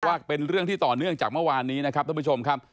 ว่าเป็นเรื่องที่ต่อเนื่องจากเมื่อวานนี้นะครับท่านผู้ชมครับ